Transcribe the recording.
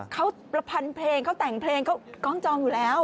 เขาประพันเพลงเขาแต่งเพลงเขากล้องจองอยู่แล้ว